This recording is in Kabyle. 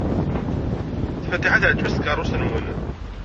Fatiḥa teɛjeb-as tkeṛṛust-nwen.